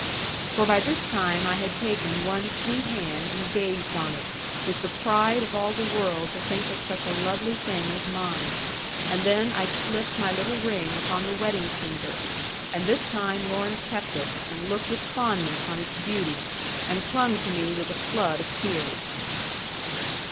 For by this time I had taken one sweet hand and gazed on it, with the pride of all the world to think that such a lovely thing was mine; and then I slipped my little ring upon the wedding finger; and this time Lorna kept it, and looked with fondness on its beauty, and clung to me with a flood of tears.